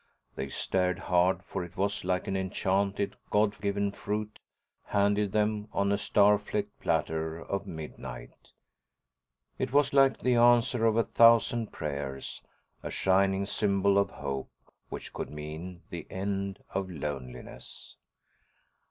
They stared hard, for it was like an enchanted, God given fruit handed them on a star flecked platter of midnight. It was like the answer to a thousand prayers, a shining symbol of hope which could mean the end of loneliness.